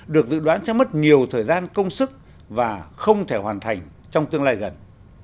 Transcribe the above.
được dự đoán sẽ mất nhiều thời gian công sức và không thể hoàn thành trong tương lai gần